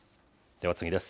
では次です。